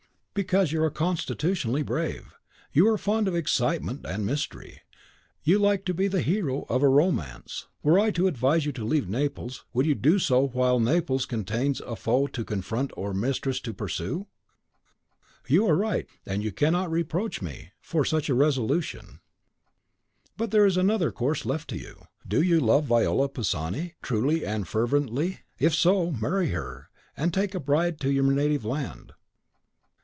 "Because you are constitutionally brave; you are fond of excitement and mystery; you like to be the hero of a romance. Were I to advise you to leave Naples, would you do so while Naples contains a foe to confront or a mistress to pursue?" "You are right," said the young Englishman, with energy. "No! and you cannot reproach me for such a resolution." "But there is another course left to you: do you love Viola Pisani truly and fervently? if so, marry her, and take a bride to your native land."